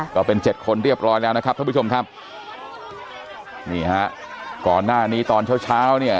ก็เป็นเจ็ดคนเรียบร้อยแล้วนะครับท่านผู้ชมครับนี่ฮะก่อนหน้านี้ตอนเช้าเช้าเนี่ย